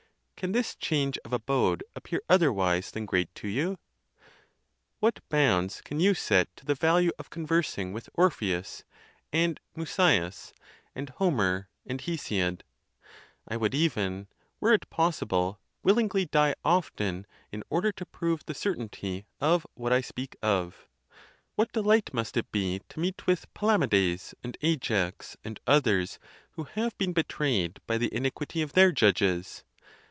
Can this change of abode appear otherwise than great to you? What bounds can you set to the value of conversing with Orpheus, and Muszeus, and Homer, and Hesiod? I would even, were it possible, willingly die often, in order to prove the certainty of what I speak of. What delight must it be to meet with Palamedes, and Ajax, and others, who have been betrayed by the iniquity of their judges!